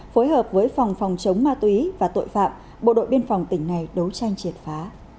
phối hợp với phòng phòng chống ma túy và tội phạm bộ đội biên phòng tỉnh này đấu tranh triệt phá